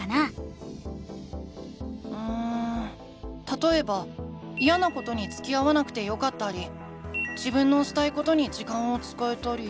たとえばイヤなことにつきあわなくてよかったり自分のしたいことに時間を使えたり。